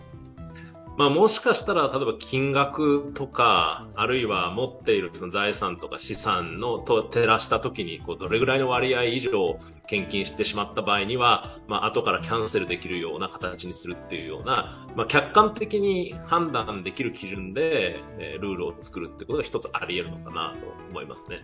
もしかしたら金額とか、あるいは持っている財産とか資産と照らしたときにどれぐらいの割合を献金してしまった場合にはあとからキャンセルできるような形にするというような客観的に判断できる基準でルールをつくることが一つ、ありえるのかなと思いますね。